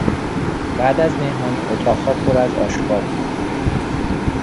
بعد از مهمانی اتاقها پر از آشغال بود.